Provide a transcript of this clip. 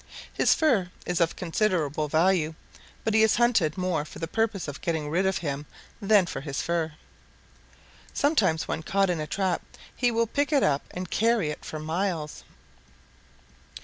His fur is of considerable value, but he is hunted more for the purpose of getting rid of him than for his fur. Sometimes when caught in a trap he will pick it up and carry it for miles.